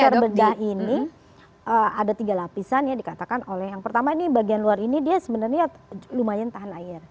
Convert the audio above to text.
air bedah ini ada tiga lapisan ya dikatakan oleh yang pertama ini bagian luar ini dia sebenarnya lumayan tahan air